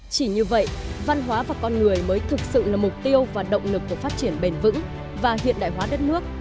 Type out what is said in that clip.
chỉ như vậy văn hóa và con người mới thực sự là mục tiêu và động lực của phát triển bền vững và hiện đại hóa đất nước